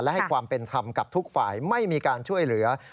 และให้ความเป็นธรรมกับทุกฝ่ายไม่มีการช่วยเหลือ